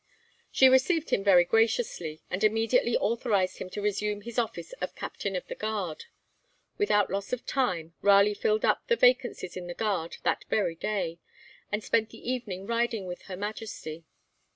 She received him very graciously, and immediately authorised him to resume his office of Captain of the Guard. Without loss of time, Raleigh filled up the vacancies in the Guard that very day, and spent the evening riding with her Majesty.